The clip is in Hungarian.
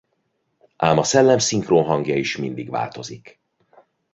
Ám a szellem szinkronhangja is mindig változik.